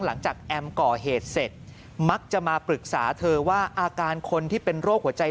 แอมก่อเหตุเสร็จมักจะมาปรึกษาเธอว่าอาการคนที่เป็นโรคหัวใจ